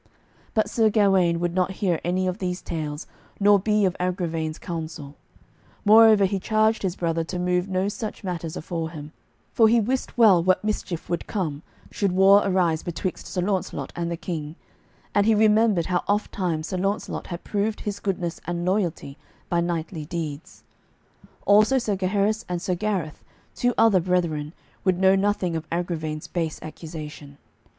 But Sir Gawaine would not hear any of these tales nor be of Agravaine's counsel; moreover he charged his brother to move no such matters afore him, for he wist well what mischief would come, should war arise betwixt Sir Launcelot and the King, and he remembered how ofttimes Sir Launcelot had proved his goodness and loyalty by knightly deeds. Also Sir Gaheris and Sir Gareth, two other brethren, would know nothing of Agravaine's base accusation.